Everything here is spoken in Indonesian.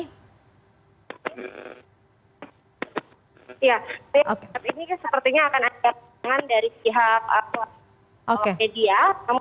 ya tapi ini sepertinya akan ada pertanyaan dari pihak keluarga